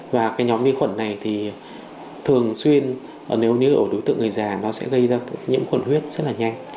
và cái nhóm vi khuẩn này thì thường xuyên nếu như ở đối tượng người già nó sẽ gây ra nhiễm khuẩn huyết rất là nhanh